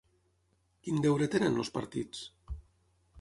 Quin deure tenen els partits?